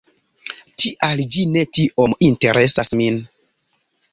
Tial ĝi ne tiom interesas min.